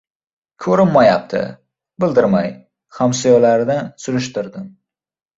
— Ko‘rinmayapti. Bildirmay, hamsoyalaridan surishtirdim.